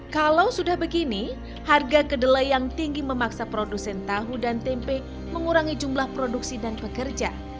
kalau sudah begini harga kedelai yang tinggi memaksa produsen tahu dan tempe mengurangi jumlah produksi dan pekerja